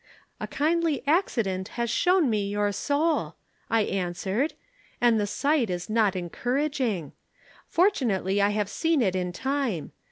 "'A kindly accident has shown me your soul,' I answered, 'and the sight is not encouraging. Fortunately I have seen it in time.